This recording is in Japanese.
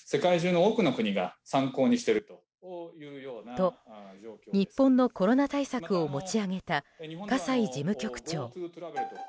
と、日本のコロナ対策を持ち上げた葛西事務局長。